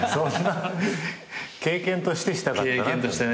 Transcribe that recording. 経験としてしたかったなって。